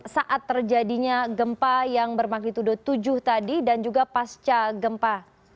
saat terjadinya gempa yang bermagnitudo tujuh tadi dan juga pasca gempa